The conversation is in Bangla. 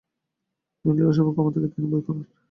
নীলুর এই অস্বাভাবিক ক্ষমতাকে তিনি ভয় করেন।